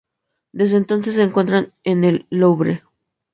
Desde entonces se encuentran en el Louvre.